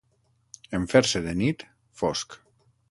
En fer-se de nit, fosc.